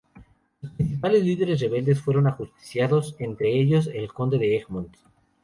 Los principales líderes rebeldes fueron ajusticiados, entre ellos el conde de Egmont.